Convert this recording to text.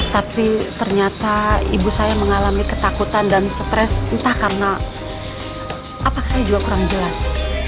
tapi ternyata ibu saya mengalami ketakutan dan stres entah karena apakah saya juga kurang jelas